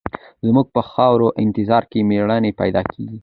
زموږ په خاوره انتظار کې مېړني پیدا کېږي.